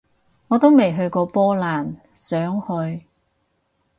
我都未去過波蘭，想去